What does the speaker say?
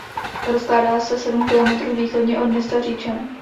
Rozkládá se sedm kilometrů východně od města Říčany.